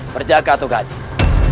tentu tidak raden